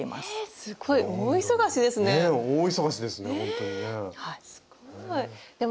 すごい大忙しですね。